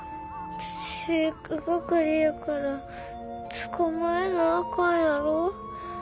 飼育係やから捕まえなあかんやろ。